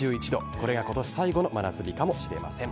これが今年最後の真夏日かもしれません。